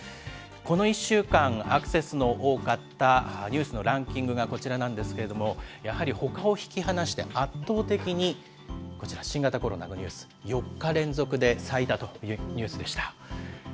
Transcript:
この１週間、アクセスの多かったニュースのランキングがこちらなんですけれども、やはりほかを引き離して、圧倒的にこちら、新型コロナのニュース、４日連続で最多というニュースでした。